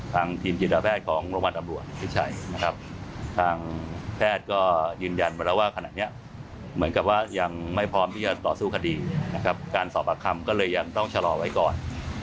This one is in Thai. สอบสวนตามคำก็เลยยังต้องชะลอไว้ก่อน